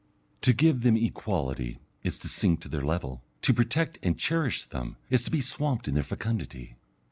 To give them equality is to sink to their level, to protect and cherish them is to be swamped in their fecundity.